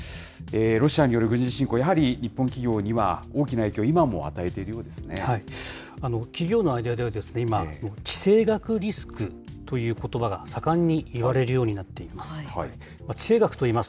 ロシアによる軍事侵攻、やはり日本企業には大きな影響、企業の間では、今、地政学リスクということばが盛んに言われるようになっています。